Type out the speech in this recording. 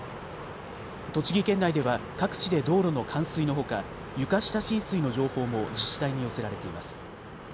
栃木県内では各地で道路の冠水のほか、床下浸水の情報も自治体に寄せられています。